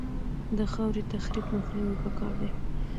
د خاورې تخریب مخنیوی پکار دی